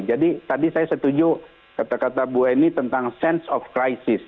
jadi tadi saya setuju kata kata bu eni tentang sense of crisis